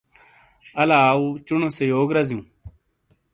الا آؤ چونو سے یوک رزیوں۔